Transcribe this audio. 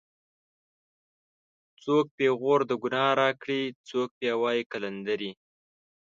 څوک پېغور د گناه راکړي څوک بیا وایي قلندرې